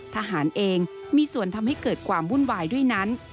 ทหารเองมีส่วนทำให้เกิดความวุ่นวายด้วยนั้น